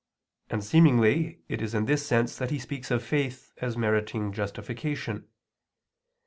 And seemingly it is in this sense that he speaks of faith as meriting justification.